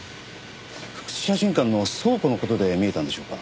福地写真館の倉庫の事で見えたんでしょうか？